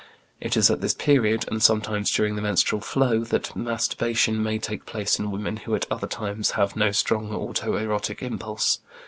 It is at this period (and sometimes during the menstrual flow) that masturbation may take place in women who at other times have no strong auto erotic impulse.